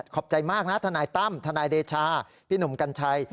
ขอบใจมากนะทนายตั้มทนายเดชาพี่หนุ่มกัญชัย